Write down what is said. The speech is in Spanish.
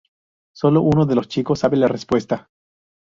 Sólo uno de los chicos sabe la respuesta.